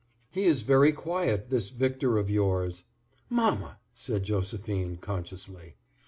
"He is very quiet, this Victor of yours." "Mamma!" said Josephine, consciously.